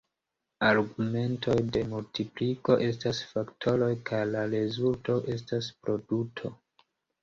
Argumentoj de multipliko estas faktoroj kaj la rezulto estas produto.